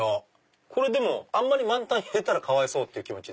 これあんまり満タンに入れたらかわいそうって気持ちも。